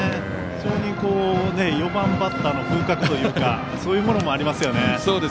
非常に４番バッターの風格というかそういうものもありますよね。